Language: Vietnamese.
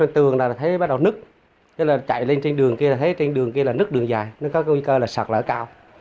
trên đường kia là nứt đường dài nó có nguy cơ là sạt lở cao